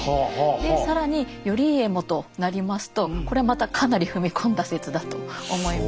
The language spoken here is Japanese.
で更に頼家もとなりますとこれまたかなり踏み込んだ説だと思います。